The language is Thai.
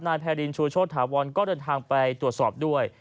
แพรินชูโชธาวรก็เดินทางไปตรวจสอบด้วย